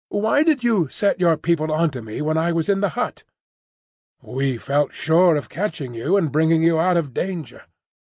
"Why did you set—your people onto me when I was in the hut?" "We felt sure of catching you, and bringing you out of danger.